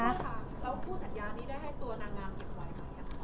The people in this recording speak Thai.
แล้วคู่สัญญานี้ได้ให้ตัวนางงามเก็บไว้ค่ะ